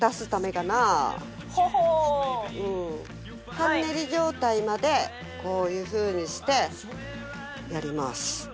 半ねり状態までこういうふうにしてやります。